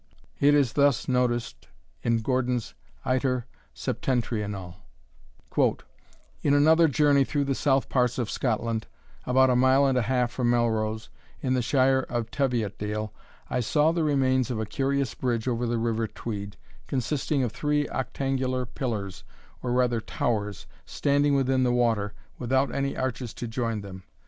It is thus noticed in Gordon's Iter Septentrionale: "In another journey through the south parts of Scotland, about a mile and a half from Melrose, in the shire of Teviotdale, I saw the remains of a curious bridge over the river Tweed, consisting of three octangular pillars, or rather towers, standing within the water, without any arches to join them.